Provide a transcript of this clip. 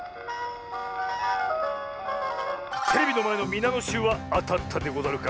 テレビのまえのみなのしゅうはあたったでござるか？